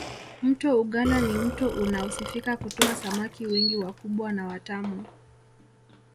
mto ugala ni mto unaosifika kutoa samaki wengi wakubwa na watamu